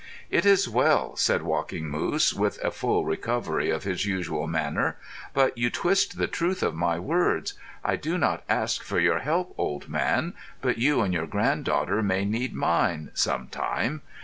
"It is well," said Walking Moose, with a full recovery of his usual manner. "But you twist the truth of my words. I do not ask for your help, old man; but you and your granddaughter may need mine, some time.